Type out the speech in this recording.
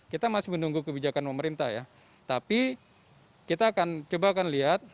kita masih menunggu kebijakan pemerintah ya tapi kita akan coba akan lihat